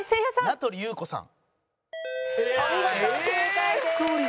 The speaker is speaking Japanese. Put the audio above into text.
名取裕子さん